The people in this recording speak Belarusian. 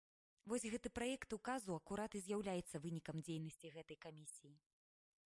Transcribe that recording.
Вось гэты праект указу акурат і з'яўляецца вынікам дзейнасці гэтай камісіі.